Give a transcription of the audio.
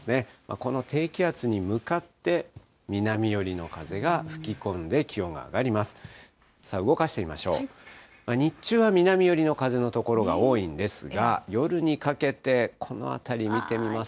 この低気圧に向かって南寄りの風が吹き込んで、気温が上がります。